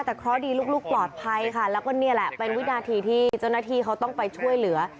แต่เคราะห์ดีลูกปลอดภัยค่ะแล้วก็นี่แหละเป็นวินาทีที่เจ้าหน้าที่เขาต้องไปช่วยเหลือ